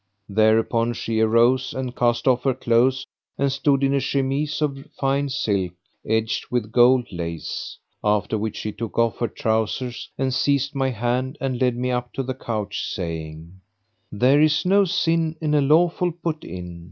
Thereupon she arose and cast off her clothes and stood in a chemise of fine silk edged with gold lace, after which she took off her trousers and seized my hand and led me up to the couch, saying, "There is no sin in a lawful put in."